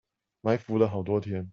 埋伏了好多天